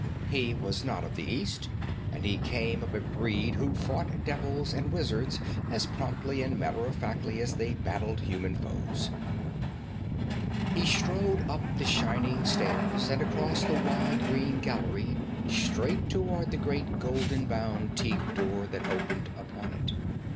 He was not of the East; and he came of a breed who fought devils and wizards as promptly and matter of factly as they battled human foes. He strode up the shining stairs and across the wide green gallery straight toward the great golden bound teak door that opened upon it.